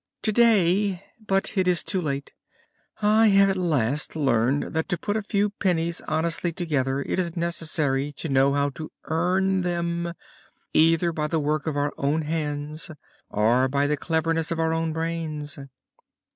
Today but it is too late I have at last learned that to put a few pennies honestly together it is necessary to know how to earn them, either by the work of our own hands or by the cleverness of our own brains."